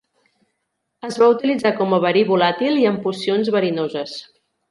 Es va utilitzar com a verí volàtil i en pocions verinoses.